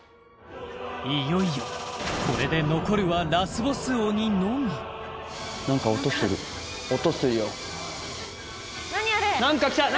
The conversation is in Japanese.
いよいよこれで残るはラスボス鬼のみなんか来た何？